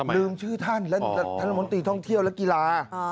ลืมชื่อท่านรัฐมนตรีท่องเที่ยวและกีฬา